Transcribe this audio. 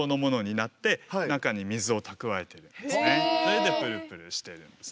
それでプルプルしているんですね。